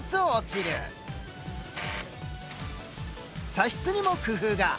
射出にも工夫が。